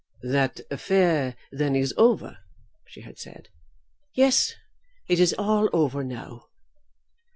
"That affair, then, is over?" she had said. "Yes; it is all over now."